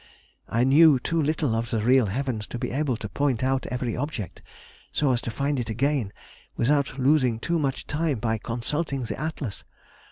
I knew too little of the real heavens to be able to point out every object so as to find it again without losing too much time by consulting the Atlas.